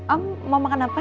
om mau makan apa